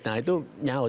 nah itu nyawet